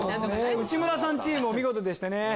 内村さんチームお見事でしたね。